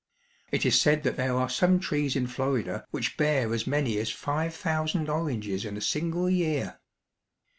It is said that there are some trees in Florida which bear as many as five thousand oranges in a single year.